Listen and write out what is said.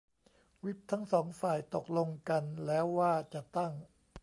วิปทั้งสองฝ่ายตกลงกันแล้วว่าจะตั้ง